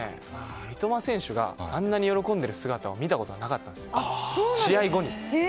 三笘選手があんなに喜んでる姿を見たことがなかったんですよ。